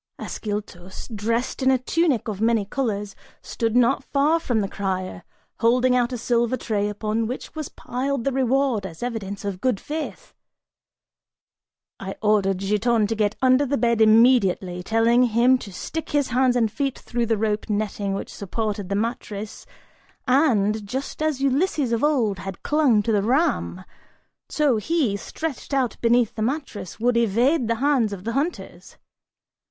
Ascyltos, dressed in a tunic of many colors, stood not far from the crier, holding out a silver tray upon which was piled the reward, as evidence of good faith. I ordered Giton to get under the bed immediately, telling him to stick his hands and feet through the rope netting which supported the mattress, and, just as Ulysses of old had clung to the ram, so he, stretched out beneath the mattress, would evade the hands of the hunters.